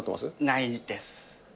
ないです。